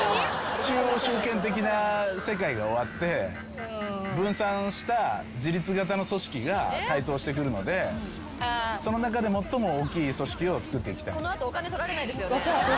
中央集権的な世界が終わって分散した自律型の組織が台頭してくるのでその中で最も大きい組織をつくっていきたい。